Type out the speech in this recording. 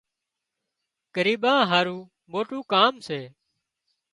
ڳريٻان هارو موٽُون ڪام سي